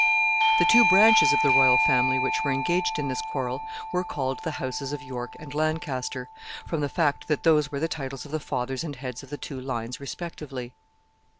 ] The two branches of the royal family which were engaged in this quarrel were called the houses of York and Lancaster, from the fact that those were the titles of the fathers and heads of the two lines respectively.